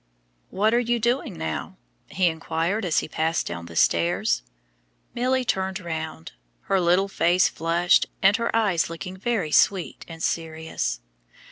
"What are you doing now?" he inquired as he passed down the stairs. Milly turned round, her little face flushed, and eyes looking very sweet and serious.